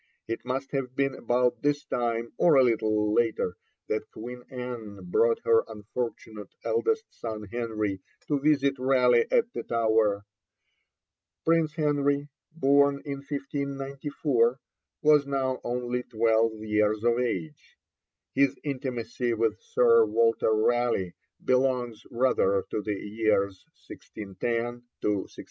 It must have been about this time, or a little later, that Queen Anne brought her unfortunate eldest son Henry to visit Raleigh at the Tower. Prince Henry, born in 1594, was now only twelve years of age. His intimacy with Sir Walter Raleigh belongs rather to the years 1610 to 1612.